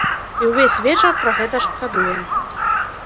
І ўвесь вечар пра гэта шкадуем.